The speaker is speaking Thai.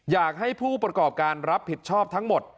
อยากให้ผู้ประกอบการรับผิดชอบทั้งหมด